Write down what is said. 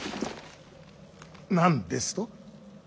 何ですと。